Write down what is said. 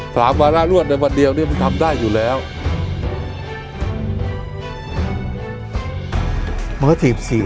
มอร์ทีป๔ของรัฐบาลชุดยีที่ออกมาเนี่ยดูออกมาบ่อยอ่ะเนี่ย